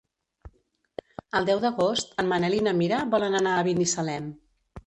El deu d'agost en Manel i na Mira volen anar a Binissalem.